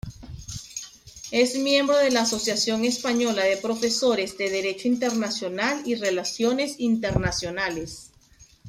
Es miembro de la Asociación Española de Profesores de Derecho Internacional y Relaciones Internacionales.